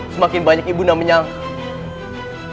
semakin banyak ibu menyangka